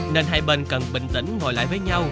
nên hai bên cần bình tĩnh ngồi lại với nhau